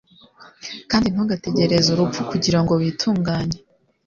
kandi ntugategereze urupfu kugira ngo witunganye